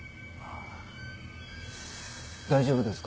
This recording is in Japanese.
大丈夫ですか？